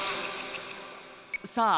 さあ